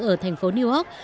ở thành phố new york